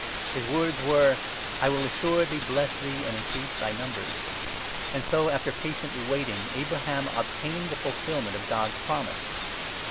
His words were — 14 ' I will assuredly bless thee and increase thy numbers.' And so, after patiently waiting, Abraham obtained the fulfil 15 ment of God's promise.